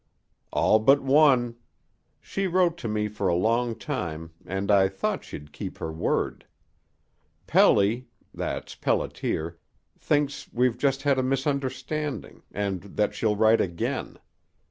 "All but one. She wrote to me for a long time, and I thought she'd keep her word. Pelly that's Pelliter thinks we've just had a misunderstanding, and that she'll write again.